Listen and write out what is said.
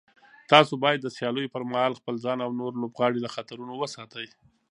تاسو باید د سیالیو پر مهال خپل ځان او نور لوبغاړي له خطرونو وساتئ.